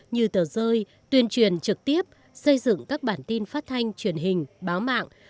như tờ rơi tuyên truyền trực tiếp xây dựng các bản tin phát thanh truyền hình báo mạng